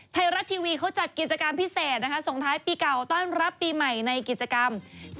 ไทยรัฐทีวีเขาจัดกิจกรรมพิเศษนะคะส่งท้ายปีเก่าต้อนรับปีใหม่ในกิจกรรม